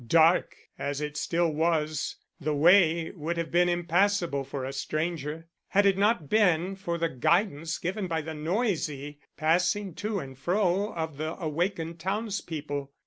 Dark as it still was, the way would have been impassable for a stranger, had it not been for the guidance given by the noisy passing to and fro of the awakened townspeople.